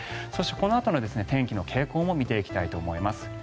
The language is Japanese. そしてこのあとの天気の傾向も見ていきたいと思います。